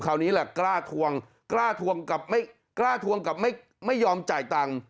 คราวนี้แหละกล้าทวงกล้าทวงกับไม่ยอมจ่ายตังค์